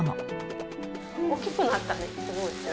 大きくなったねすごい。